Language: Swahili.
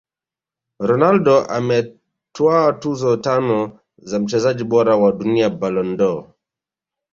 Ronaldo ametwaa tuzo tano za mchezaji bora wa dunia Ballon dOr